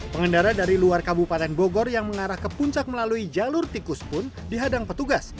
pengendara dari luar kabupaten bogor yang mengarah ke puncak melalui jalur tikus pun dihadang petugas